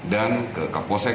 dan ke kapolsek